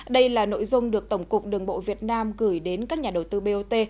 đây là nội dung được tổng cục đường bộ việt nam gửi đến các nhà đầu tư bot